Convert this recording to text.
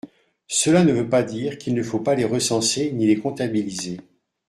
Cela ne veut pas dire qu’il ne faut pas les recenser ni les comptabiliser.